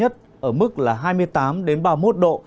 từ hai mươi tám đến ba mươi một độ